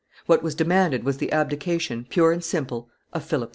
What was demanded was the abdication, pure and simple, of Philip V.